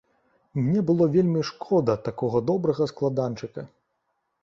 Мне было вельмі шкода такога добрага складанчыка.